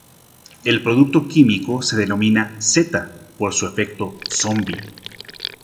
El producto químico se denomina "Z" por su efecto "zombi".